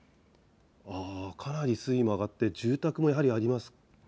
かなり水位も上がって住宅もありますね。